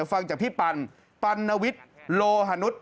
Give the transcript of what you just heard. ฟังจากพี่ปันปันนวิทย์โลหนุษย